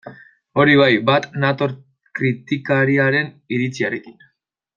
Hori bai, bat nator kritikariaren iritziarekin.